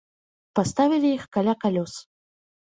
Паставілі іх каля калёс.